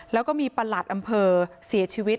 แล้วก็มีประหลัดอำเภอเสียชีวิต